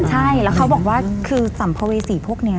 ใช่แล้วเขาบอกว่าคือสัมภเวษีพวกนี้